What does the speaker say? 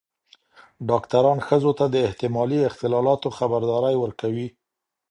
ډاکتران ښځو ته د احتمالي اختلالاتو خبرداری ورکوي.